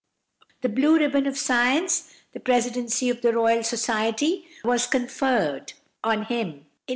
The "blue ribbon" of science, the Presidency of the Royal Society, was conferred on him in 1883.